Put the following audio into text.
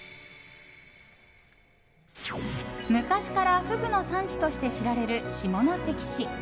昔からフグの産地として知られる下関市。